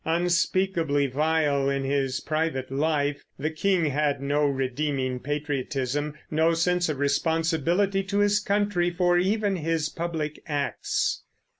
Unspeakably vile in his private life, the king had no redeeming patriotism, no sense of responsibility to his country for even his public acts.